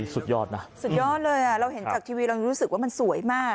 สุดยอดนะสุดยอดเลยเราเห็นจากทีวีเรารู้สึกว่ามันสวยมาก